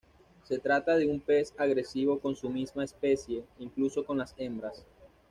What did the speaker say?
Se trata de un pez agresivo con su misma especie, incluso con las hembras.